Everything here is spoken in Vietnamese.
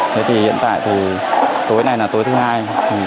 thế thì hiện tại thì tối nay là tối thứ hai